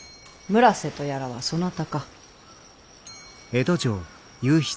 村瀬とやらはそなたか？